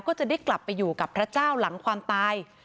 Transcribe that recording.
ก็จะได้กลับไปอยู่กับพระเจ้าหลังความตาย